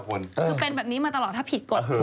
คือเป็นแบบนี้มาตลอดถ้าผิดกฎหมาย